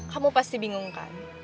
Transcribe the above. kamu pasti bingung kan